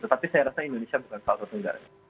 tetapi saya rasa indonesia bukan salah satu negara